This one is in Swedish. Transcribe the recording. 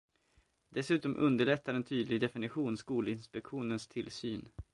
Dessutom underlättar en tydlig definition Skolinspektionens tillsyn.